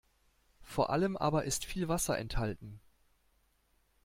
Vor allem aber ist viel Wasser enthalten.